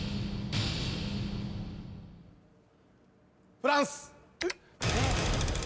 フランス。